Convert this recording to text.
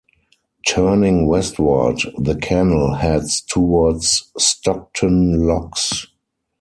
Turning westward, the canal heads towards Stockton locks.